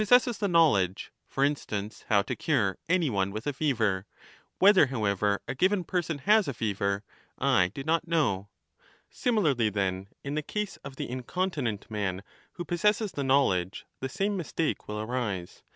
6 I20I* sesses the knowledge, for instance how to cure ^ any one with a fever ; whether, however, a given person has a fever, I do not know. Similarly then in the case of the incontinent man who possesses the knowledge the same mistake will arise.